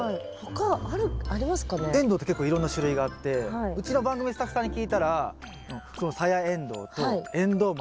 エンドウって結構いろんな種類があってうちの番組のスタッフさんに聞いたらそのサヤエンドウとエンドウ豆。